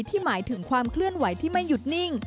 หมายถึงความเคลื่อนไหวที่ไม่หยุดนิ่ง